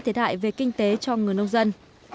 thiệt hại về kinh tế cho người nông dân